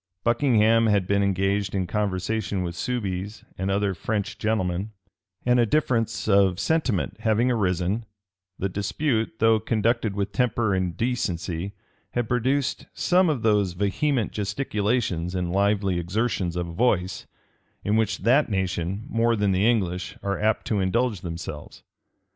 Buckingham had been engaged in conversation with Soubize and other French gentlemen; and a difference of sentiment having arisen, the dispute, though conducted with temper and decency, had produced some of those vehement gesticulations and lively exertions of voice, in which that nation, more than the English, are apt to indulge themselves.